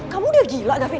kamu udah gila gavin